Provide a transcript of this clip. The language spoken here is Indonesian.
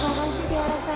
maaf masih tiara